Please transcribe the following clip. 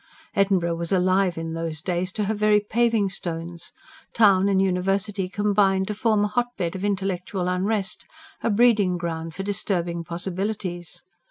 Edinburgh was alive in those days to her very paving stones; town and university combined to form a hotbed of intellectual unrest, a breeding ground for disturbing possibilities.